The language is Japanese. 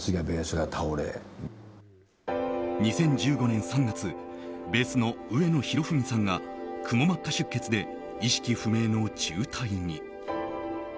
２０１５年３月ベースの上野博文さんがくも膜下出血で意識不明の重体に。